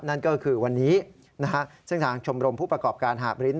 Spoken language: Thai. นั่นก็คือวันนี้ซึ่งทางชมรมผู้ประกอบการหาบริ้น